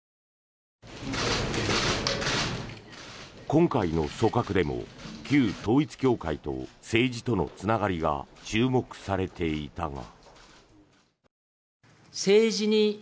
今回の組閣でも旧統一教会と政治とのつながりが注目されていたが。